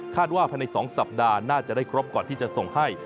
ว่าภายใน๒สัปดาห์น่าจะได้ครบก่อนที่จะส่งให้